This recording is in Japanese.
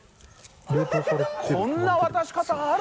こんな渡し方ある？